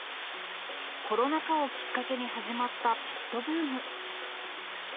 コロナ禍をきっかけに始まったペットブーム。